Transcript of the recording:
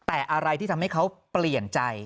แต่อะไรที่ทำให้เขาเปลี่ยนใจ